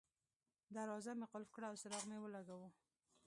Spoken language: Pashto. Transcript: دروازه مې قلف کړه او څراغ مې ولګاوه.